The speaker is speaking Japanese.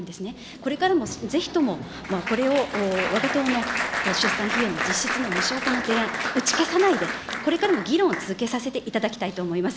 これからもぜひともこれをわが党の出産費用の実質の無償化の提案、打ち消さないで、これからも議論を続けさせていただきたいと思います。